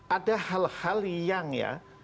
ada hal hal yang ya